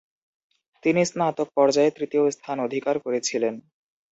তিনি স্নাতক পর্যায়ে তৃতীয় স্থান অধিকার করেছিলেন।